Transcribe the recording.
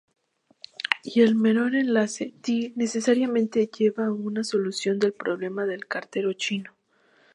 Y el menor enlace-"T" necesariamente lleva a una solución del problema del cartero chino.